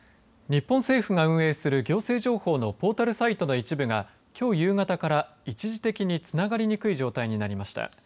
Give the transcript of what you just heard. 日本政府が運営する行政情報のポータルサイトの一部がきょう夕方から一時的につながりにくい状態になりました。